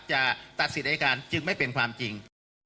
จะตัดสิทธิอายการจึงไม่เป็นความจริง